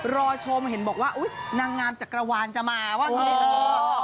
รอโชว์มาเห็นบอกว่าอุ๊ยนางงามจักรวาลจะมาว่าเฮ้อ